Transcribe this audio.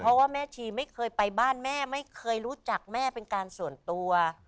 เพราะว่าแม่ชีไม่เคยไปบ้านแม่ไม่เคยรู้จักแม่เป็นการส่วนตัว